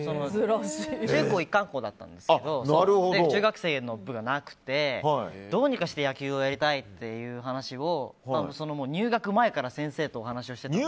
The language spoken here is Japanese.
中高一貫校だったんですけど中学生での部がなくてどうにかして野球がやりたいという話を入学前から先生とお話をしていて。